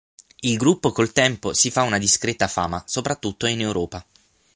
Il gruppo col tempo si fa una discreta fama soprattutto in Europa.